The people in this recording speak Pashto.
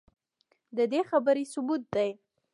ددې خبرې ثبوت دے